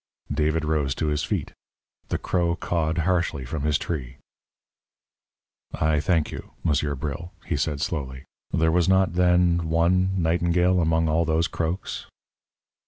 David rose to his feet. The crow cawed harshly from his tree. "I thank you, Monsieur Bril," he said, slowly. "There was not, then, one nightingale among all those croaks?"